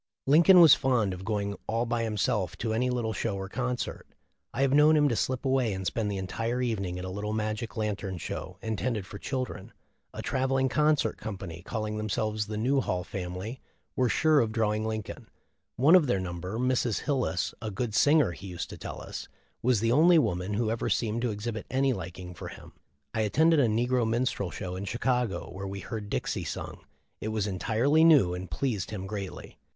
Lincoln was fond of going all by himself to any little show or concert. I have known him to slip away and spend the entire evening at a little magic lantern show intended for children. A travelling concert company, calling themselves the 'Newhall Family,' were sure of drawing Lincoln. One of their number, Mrs. Hil lis, a good singer, he used to tell us was the only man who ever seemed to exhibit any liking for him. I attended a negro minstrel show in Chicago, where we heard Dixie sung. It was entirely new, and pleased him greatly.